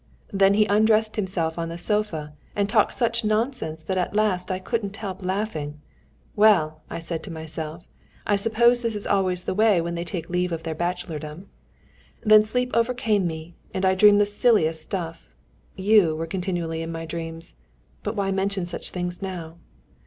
Then he undressed himself on the sofa and talked such nonsense that at last I couldn't help laughing. 'Well,' said I to myself, 'I suppose this is always the way when they take leave of their bachelordom.' Then sleep overcame me and I dreamed the silliest stuff. You were continually in my dreams. But why mention such things now?"